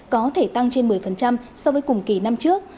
có thể tăng trên một mươi so với cùng kỳ năm trước